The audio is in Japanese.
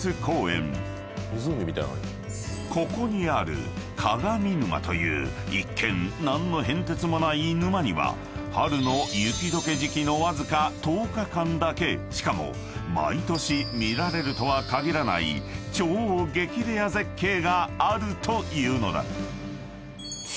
［ここにある鏡沼という一見何の変哲もない沼には春の雪解け時期のわずか１０日間だけしかも毎年見られるとはかぎらない超激レア絶景があるというのだ］